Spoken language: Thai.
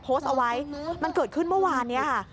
โพสต์เอาไว้มันเกิดขึ้นเมื่อวานนี้ค่ะ